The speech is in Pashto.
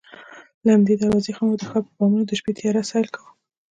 له همدې دروازې څخه مو د ښار پر بامونو د شپې تیاره سیل کاوه.